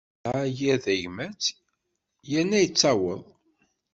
Isɛa yir tagmat, irna ittaweḍ.